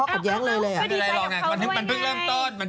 น้ำแห้งมากค่ะตอนนี้